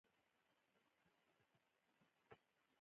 باران د افغانستان د ناحیو ترمنځ تفاوتونه راولي.